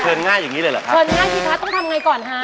เชิญง่าแบบนี้เลยหรอครับจริงค่ะต้องทำไงก่อนฮะ